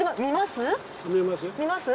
見ます？